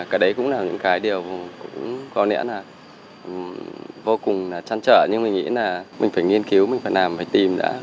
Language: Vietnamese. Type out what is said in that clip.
cái đấy cũng là những cái điều cũng có nghĩa là vô cùng là chăn trở nhưng mình nghĩ là mình phải nghiên cứu mình phải làm phải tìm ra